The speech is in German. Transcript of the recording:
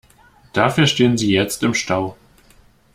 Dafür stehen sie jetzt im Stau.